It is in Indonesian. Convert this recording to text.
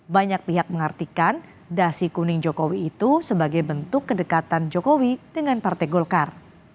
banyak pihak mengartikan dasi kuning jokowi itu sebagai bentuk kedekatan jokowi dengan partai golkar